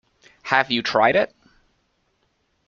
Have you tried it?